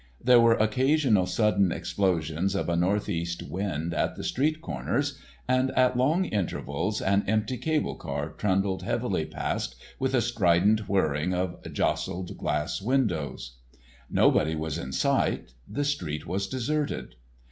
There were occasional sudden explosions of a northeast wind at the street corners, and at long intervals an empty cable car trundled heavily past with a strident whirring of jostled glass windows. Nobody was in sight—the street was deserted.